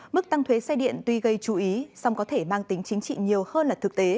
mức tăng thuế xe điện tuy gây chú ý song có thể mang tính chính trị nhiều hơn là thực tế